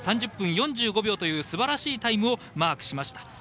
３０分４５秒というすばらしいタイムをマークしました。